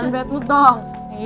jangan badmout dong